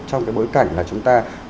trong cái bối cảnh là chúng ta